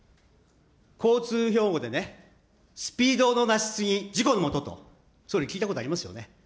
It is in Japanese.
交通標語でね、スピードの出し過ぎ、事故のもとと、総理、聞いたことありますよね。